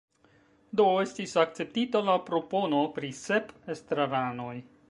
Do estis akceptita la propono pri sep estraranoj.